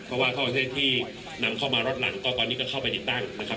เพราะว่าเข้าประเทศที่นำเข้ามารถหลังก็ตอนนี้ก็เข้าไปติดตั้งนะครับ